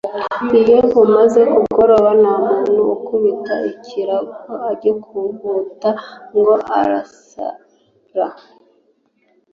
Iyo bumaze kugoroba, nta muntu ukubita ikirago agikunguta, ngo arasara